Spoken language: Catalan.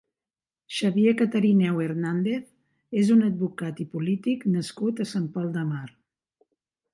Xavier Catarineu Hernàndez és un advocat i polític nascut a Sant Pol de Mar.